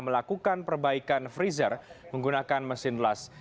melakukan perbaikan freezer menggunakan mesin las